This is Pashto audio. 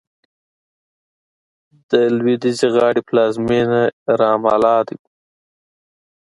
د لوېدیځې غاړې پلازمېنه رام الله ده.